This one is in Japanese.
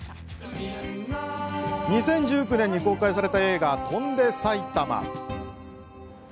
２０１９年に公開された映画「翔んで埼玉」。